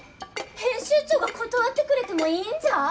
編集長が断ってくれてもいいんじゃ？